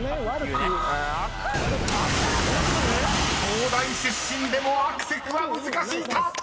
⁉［東大出身でも「アクセク」は難しいか⁉］